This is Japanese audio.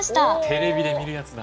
テレビで見るやつだ！